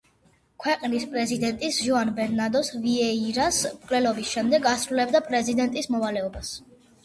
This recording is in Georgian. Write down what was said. ქვეყნის პრეზიდენტის ჟოან ბერნარდო ვიეირას მკვლელობის შემდეგ ასრულებდა პრეზიდენტის მოვალეობას.